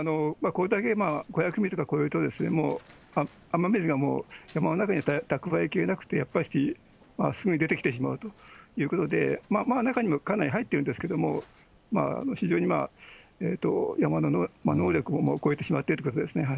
これだけ５００ミリとか超えると、雨水がもう山の中に蓄えきれなくて、やっぱりすぐに出てきてしまうということで、中にはかなり入ってるんですけれども、非常に山の能力を超えてしまっているということですね。